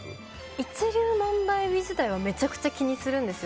一粒万倍日自体はめちゃくちゃ気にするんですよ。